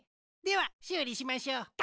ではしゅうりしましょう。